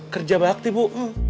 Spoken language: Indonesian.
kerja bakti bu